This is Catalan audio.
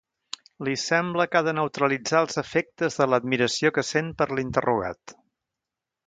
Li sembla que ha de neutralitzar els efectes de l'admiració que sent per l'interrogat.